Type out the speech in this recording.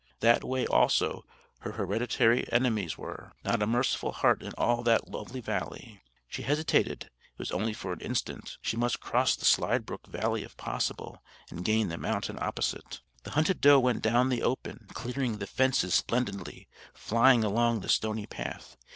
That way also her hereditary enemies were. Not a merciful heart in all that lovely valley. She hesitated; it was only for an instant. She must cross the Slidebrook Valley if possible, and gain the mountain opposite. The hunted doe went down "the open," clearing the fences splendidly, flying along the stony path.